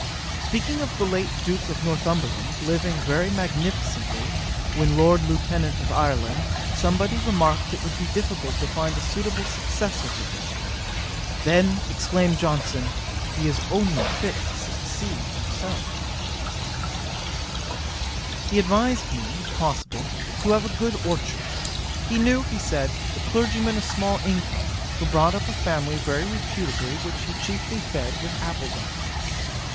'Speaking of the late Duke of Northumberland living very magnificently when Lord Lieutenant of Ireland, somebody remarked it would be difficult to find a suitable successor to him: then exclaimed Johnson, he is only fit to succeed himself. 'He advised me, if possible, to have a good orchard. He knew, he said, a clergyman of small income, who brought up a family very reputably which he chiefly fed with apple dumplings.